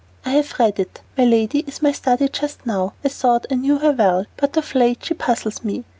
"I have read it. My lady is my study just now. I thought I knew her well, but of late she puzzles me.